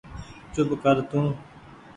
چوپ ڪر تو